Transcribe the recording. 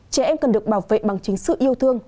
trẻ em cần được bảo vệ bằng chính sự yêu thương